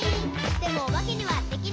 「でもおばけにはできない。」